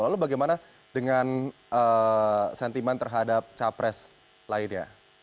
lalu bagaimana dengan sentimen terhadap capres lainnya